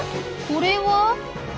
これは？